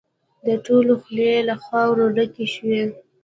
د ټولو خولې له خاورو ډکې شوې.